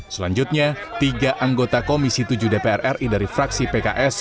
selanjutnya tiga anggota komisi tujuh dpr ri dari fraksi pks